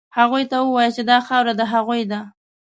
هغوی ته ووایاست چې دا خاوره د هغوی ده.